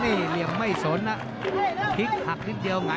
นี่เหลือไม่สนอ่ะพลิกหักนิดเดียว